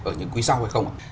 ở những quý sau hay không